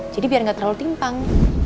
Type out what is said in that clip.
jadi biar gak terlalu timpang